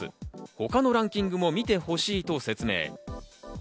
ほかのランキングも見てほしいと説明。